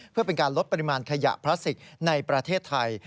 เพื่อเป็นการลดปริมาณขยะพลาสติกในประเทศไทย